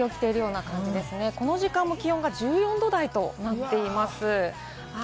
この時間も気温が１４度台となっています。